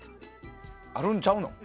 あるんちゃうの？